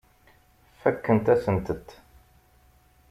Fakkent-asent-t.